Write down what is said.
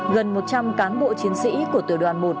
gần một trăm linh cán bộ chiến sĩ của tiểu đoàn một